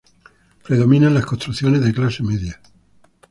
Predominan las construcciones de clase media.